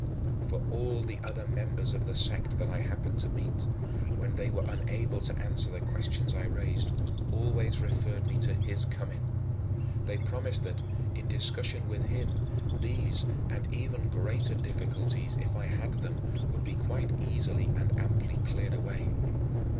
For all the other members of the sect that I happened to meet, when they were unable to answer the questions I raised, always referred me to his coming. They promised that, in discussion with him, these and even greater difficulties, if I had them, would be quite easily and amply cleared away.